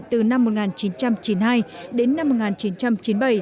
từ năm một nghìn chín trăm chín mươi hai đến năm một nghìn chín trăm chín mươi bảy